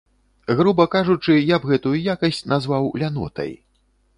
Груба кажучы, я б гэтую якасць назваў лянотай.